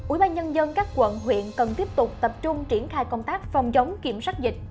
ủy ban nhân dân các quận huyện cần tiếp tục tập trung triển khai công tác phòng chống kiểm soát dịch